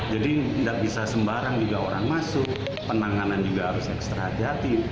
jadi tidak bisa sembarang juga orang masuk penanganan juga harus ekstra hati hati